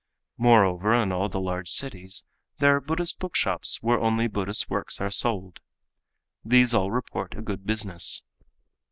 Moreover, in all the large cities there are Buddhist bookshops where only Buddhist works are sold. These all report a good business.